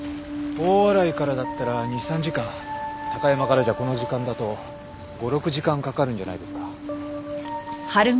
大洗からだったら２３時間高山からじゃこの時間だと５６時間かかるんじゃないですか？